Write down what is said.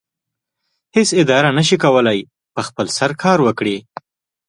هیڅ اداره نشي کولی په خپل سر کار وکړي.